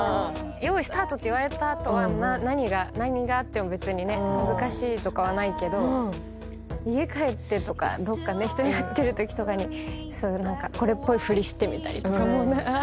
「よーいスタート」って言われた後は何があっても別にね恥ずかしいとかはないけど家帰ってとかどっか人に会ってるときとかにこれっぽいふりしてみたりとかもうあ！